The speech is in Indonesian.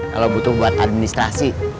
kalau butuh buat administrasi